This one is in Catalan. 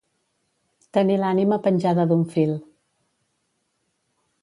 Tenir l'ànima penjada d'un fil.